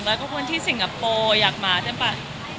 แล้วก็เพื่อนที่สิงคโปร์อยากมาแต่แบบ